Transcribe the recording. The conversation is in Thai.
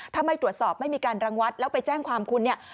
ถ้าไม่ตรวจสอบไม่มีการรังวัดแล้วไปแจ้งความคุณเนี่ย